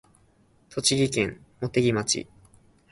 栃木県茂木町